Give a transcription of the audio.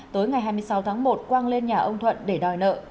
tối ngày hai mươi sáu tháng một quang lên nhà ông thuận để đòi nợ